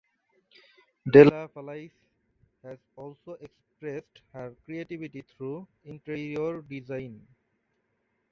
De la Falaise has also expressed her creativity through interior design.